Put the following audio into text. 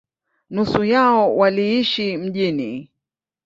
Nusu yao waliishi mjini.